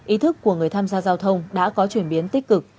ý thức của người tham gia giao thông đã có chuyển biến tích cực